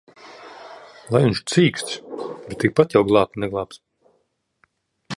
Lai viņš cīkstas! Bet tikpat jau glābt neglābs.